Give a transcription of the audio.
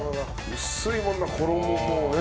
薄いもんな衣もうね。